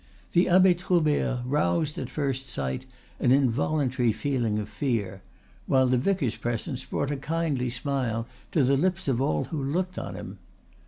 The Abbe Troubert roused, at first sight, an involuntary feeling of fear, while the vicar's presence brought a kindly smile to the lips of all who looked at him.